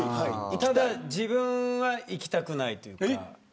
ただ、自分は行きたくないというか。